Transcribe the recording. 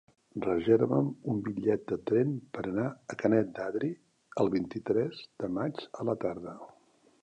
Reserva'm un bitllet de tren per anar a Canet d'Adri el vint-i-tres de maig a la tarda.